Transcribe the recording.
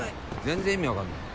全然意味分かんねぇや。